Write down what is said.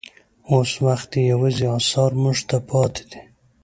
اوس وخت یې یوازې اثار موږ ته پاتې دي.